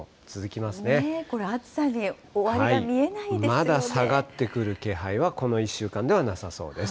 これ、まだ下がってくる気配は、この１週間ではなさそうです。